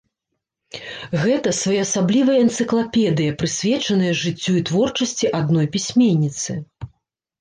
Гэта своеасаблівая энцыклапедыя, прысвечаная жыццю і творчасці адной пісьменніцы.